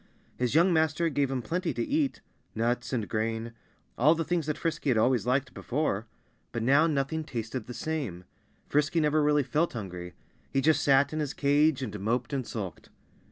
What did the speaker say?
His young master gave him plenty to eat nuts and grain all the things that Frisky had always liked before. But now nothing tasted the same. Frisky never felt really hungry. He just sat in his cage and moped and sulked.